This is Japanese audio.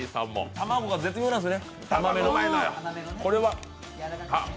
卵が絶妙なんですよね。